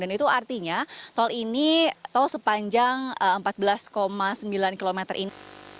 dan itu artinya tol ini tol sepanjang empat belas sembilan km ini